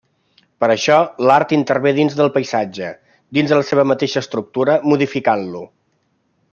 Per això, l'art intervé dins del paisatge, dins de la seva mateixa estructura, modificant-lo.